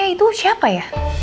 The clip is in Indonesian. itu siapa ya